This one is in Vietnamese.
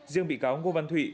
riêng bị cáo ngô văn thụy